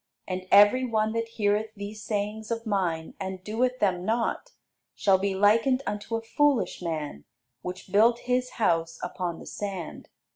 And every one that heareth these sayings of mine, and doeth them not, shall be likened unto a foolish man which built his house upon the sand.